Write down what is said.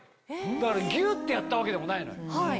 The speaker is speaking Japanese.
だからギュってやったわけでもないのよ。